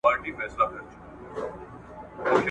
څونده وخت وروسته جاپان بری وموند؟